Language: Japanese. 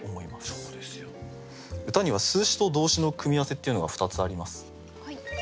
歌には数詞と動詞の組み合わせっていうのが２つあります。